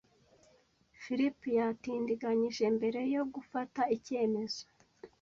Philip yatindiganyije mbere yo gufata icyemezo.